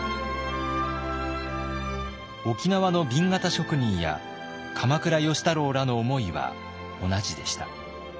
沖縄の紅型職人や鎌倉芳太郎らの思いは同じでした。